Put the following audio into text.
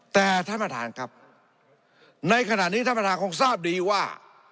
แต่ท่านประธานครับในขณะนี้ท่านประธานคงทราบดีว่า